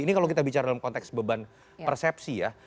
ini kalau kita bicara dalam konteks beban persepsi ya